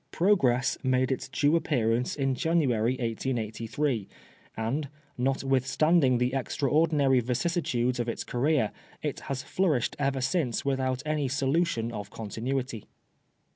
Progress made its due appearance in January, 1883, and, not withstanding the extraordinary vicissitudes of its career, it has flourished ever since without any solution of con tinuity.